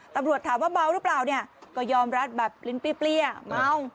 ตำรวจถามว่าเมาหรือเปล่าเนี่ยก็ยอมรับแบบลิ้นเปรี้ยเมา